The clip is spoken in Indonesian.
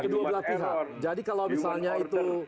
dua pihak jadi kalau misalnya itu